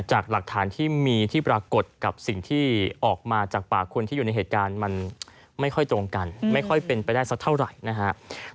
จากหลักฐานที่มีที่ปรากฏกับสิ่งที่ออกมาจากปากคนที่อยู่ในเหตุการณ์มันไม่ค่อยตรงกันไม่ค่อยเป็นไปได้สักเท่าไหร่นะครับ